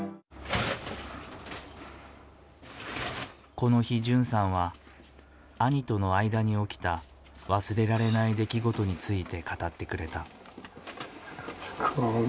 この日純さんは兄との間に起きた忘れられない出来事について語ってくれた。